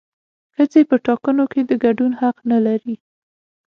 ښځې په ټاکنو کې د ګډون حق نه لري